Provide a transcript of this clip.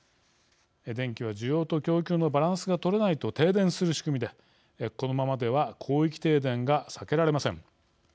電気は需要と供給のバランスが取れないと停電する仕組みでこのままでは広域停電が避けられません。